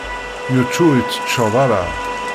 Yuc ur yettecceḍ ara.